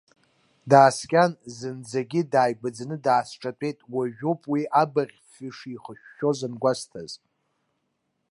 Дааскьан, зынӡагьы дааигәаӡаны даасҿатәеит, уажәоуп уи абаӷьфҩы шихышәшәоз ангәасҭаз.